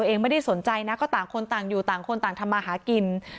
จนใดเจ้าของร้านเบียร์ยิงใส่หลายนัดเลยค่ะ